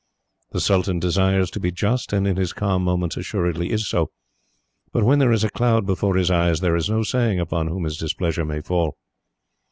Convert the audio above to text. The sultan desires to be just, and in his calm moments assuredly is so; but when there is a cloud before his eyes, there is no saying upon whom his displeasure may fall.